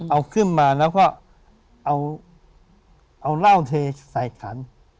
เอาขึ้นมาและก็เอาเอา้าเช่ใส่กัน